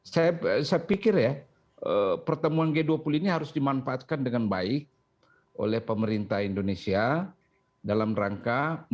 saya pikir ya pertemuan g dua puluh ini harus dimanfaatkan dengan baik